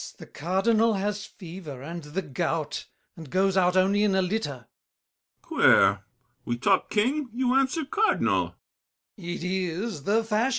the Cardinal has fever and The gout, and goes out only in a litter. BRICHANTEAU. Queer! We talk King, you answer Cardinal! GASSÉ. It is the fashion!